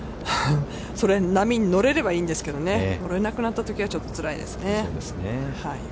それ、波に乗れればいいんですけれども、乗れなくなったときがちょっとつらいですね。